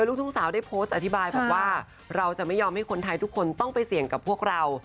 ลูกทุ่งสาวได้โพสต์อธิบายบอกว่าเราจะไม่ยอมให้คนไทยทุกคนต้องไปเสี่ยงกับพวกเรา